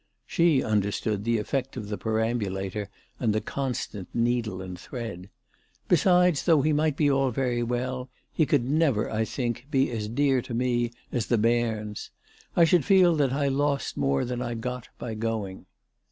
She understood the effect of the perambulator and the constant needle and thread. " Besides, though he might be all very well, he could never, I think, be as dear to me as the bairns. I should feel that I lost more than I got by going."